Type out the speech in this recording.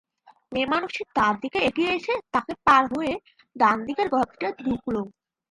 মেয়েমানুষটি তাঁর দিকে এগিয়ে এসে তাঁকে পার হয়ে ডান দিকের ঘরটিতে ঢুকল।